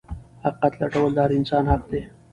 حقيقت لټول د هر انسان حق دی.